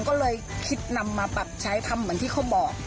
ก็เลยคิดนำมาปรับใช้ทำเหมือนที่เขาบอก